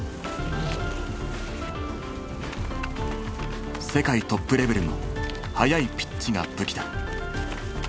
世界トップレベルの速いピッチが武器だ。